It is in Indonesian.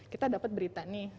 kita dapat berita nih